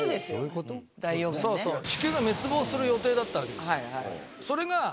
そうそう地球が滅亡する予定だったわけですよ。